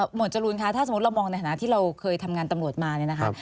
จรูนคะถ้าสมมุติเรามองในฐานะที่เราเคยทำงานตำรวจมาเนี่ยนะคะ